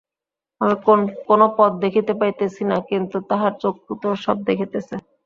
আমি কোন পথ দেখিতে পাইতেছি না, কিন্তু তাঁহার চক্ষু তো সব দেখিতেছে।